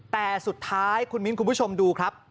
แต่สุดท้ายคุณมิ้นคุณผู้ชมดูครับ